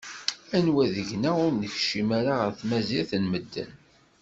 Anwa deg-neɣ ur nekcim ara ɣer tmazirt n medden?